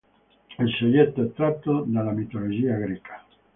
Il soggetto è tratto dalla mitologia greca.